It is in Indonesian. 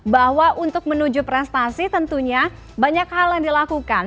bahwa untuk menuju prestasi tentunya banyak hal yang dilakukan